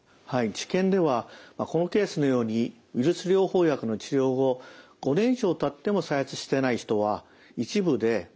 治験ではこのケースのようにウイルス療法薬の治療を５年以上たっても再発してない人は一部で１９人中３人でした。